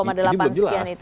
nah ini belum jelas